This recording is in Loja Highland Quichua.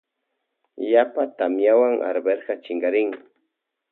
Yapa tamiawan arveja chinkarin.